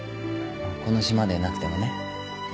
この島でなくてもね。